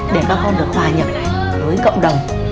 để các con được hòa nhập với cộng đồng